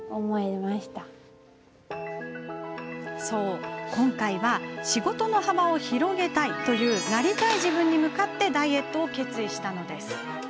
そう、今回は仕事の幅を広げたいというなりたい自分に向かってダイエットを決意したのです。